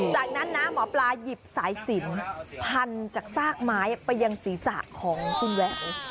จากนั้นนะหมอปลาหยิบสายสินพันจากซากไม้ไปยังศีรษะของคุณแหวว